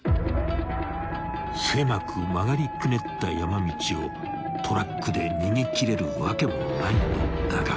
［狭く曲がりくねった山道をトラックで逃げ切れるわけもないのだが］